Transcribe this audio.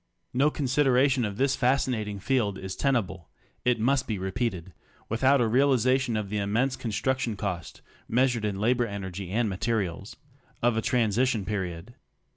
No consideration of this fascinating field is tenable, it must be repeated, without a realization of the im 20 tnense construction cost (measured in labor energy and ma terials) of a transition period.